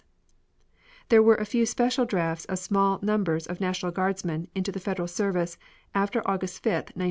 There were a few special drafts of small numbers of National Guardsmen into the Federal service after August 5, 1917.